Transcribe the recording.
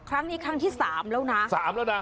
ครั้งนี้ครั้งที่สามแล้วนะ